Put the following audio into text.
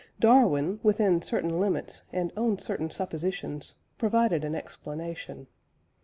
Darwin, within certain limits and on certain suppositions, provided an explanation.